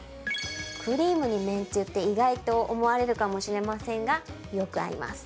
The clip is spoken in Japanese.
クリームにめんつゆって意外と思われるかもしれませんが、よく合います。